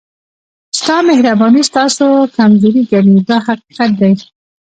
ستا مهرباني ستاسو کمزوري ګڼي دا حقیقت دی.